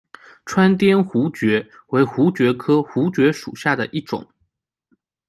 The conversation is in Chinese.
川滇槲蕨为槲蕨科槲蕨属下的一个种。